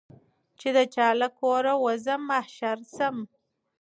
چي د چا له کوره وزمه محشر سم